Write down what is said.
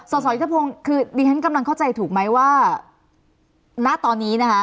สสยุทธพงศ์คือดิฉันกำลังเข้าใจถูกไหมว่าณตอนนี้นะคะ